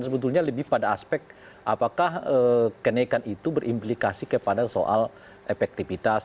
sebetulnya lebih pada aspek apakah kenaikan itu berimplikasi kepada soal efektivitas